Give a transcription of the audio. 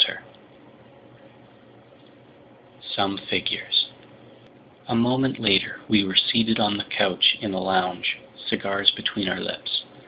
CHAPTER 13 Some Figures A MOMENT LATER we were seated on a couch in the lounge, cigars between our lips.